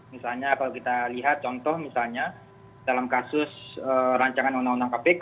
misalnya kalau kita lihat contoh misalnya dalam kasus rancangan undang undang kpk